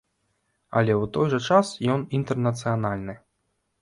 Але ў той жа час ён інтэрнацыянальны.